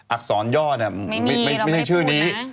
อักษรย่อไม่ใช่ชื่อนี้